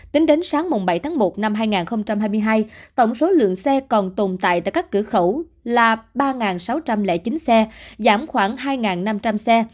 tính đến sáng bảy tháng một năm hai nghìn hai mươi hai tổng số lượng xe còn tồn tại tại các cửa khẩu là ba sáu trăm linh chín xe giảm khoảng hai năm trăm linh xe